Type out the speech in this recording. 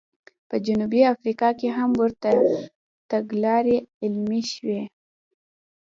په جنوبي افریقا کې هم ورته تګلارې عملي شوې وې.